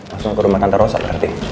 masih mau ke rumah tante rosa berarti